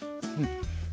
うん。